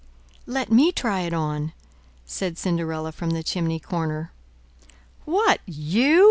"Let me try it on," said Cinderella from the chimney corner. "What, you?"